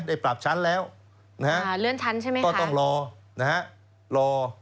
ได้ปรับชั้นแล้วนะฮะก็ต้องรอนะฮะรอ